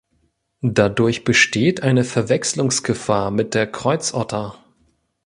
Dadurch besteht eine Verwechslungsgefahr mit der Kreuzotter.